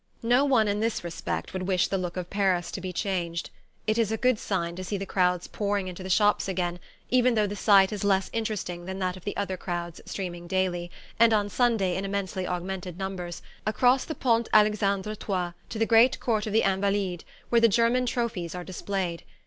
No one, in this respect, would wish the look of Paris to be changed. It is a good sign to see the crowds pouring into the shops again, even though the sight is less interesting than that of the other crowds streaming daily and on Sunday in immensely augmented numbers across the Pont Alexandre III to the great court of the Invalides where the German trophies are displayed.